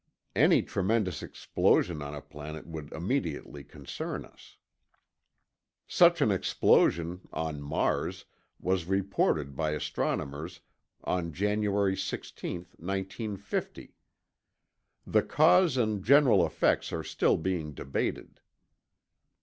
Any tremendous explosion on a planet would immediately concern us. Such an explosion, on Mars, was reported by astronomers on January 16, 1950. The cause and general effects are still being debated.